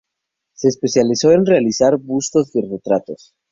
Se especializó en realizar bustos de retratos.